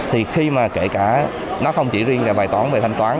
thì khi mà kể cả nó không chỉ riêng là bài toán về thanh toán